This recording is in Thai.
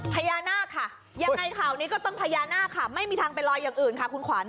พญานาคค่ะยังไงข่าวนี้ก็ต้องพญานาคค่ะไม่มีทางไปลอยอย่างอื่นค่ะคุณขวัญ